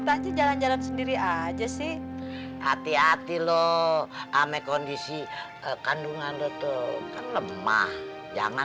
tajih jalan jalan sendiri aja sih hati hati lo amek kondisi kandungan lo tuh lemah jangan